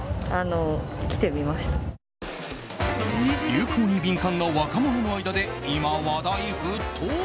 流行に敏感な若者の間で今話題沸騰！